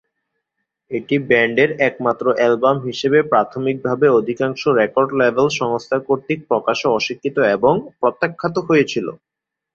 এটি ব্যান্ডের একমাত্র অ্যালবাম হিসেবে প্রাথমিকভাবে অধিকাংশ রেকর্ড লেবেল সংস্থা কর্তৃক প্রকাশে অস্বীকৃত এবং প্রত্যাখ্যাত হয়েছিল।